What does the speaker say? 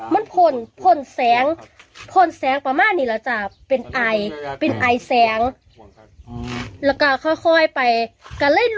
มันเลยเป็นแสงหายไปเลยเป็นควั่นขาวไปเลยจ้ะ